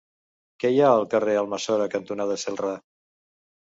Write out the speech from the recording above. Què hi ha al carrer Almassora cantonada Celrà?